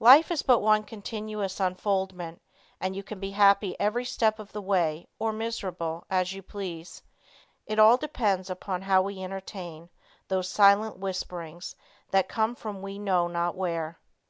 Life is but one continuous unfoldment, and you can be happy every step of the way or miserable, as you please; it all depends upon how we entertain those silent whisperings that come from we know not where.